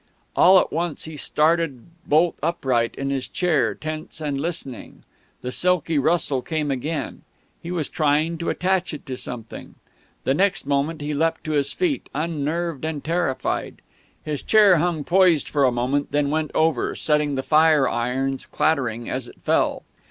All at once he started bolt upright in his chair, tense and listening. The silky rustle came again; he was trying to attach it to something.... The next moment he had leapt to his feet, unnerved and terrified. His chair hung poised for a moment, and then went over, setting the fire irons clattering as it fell.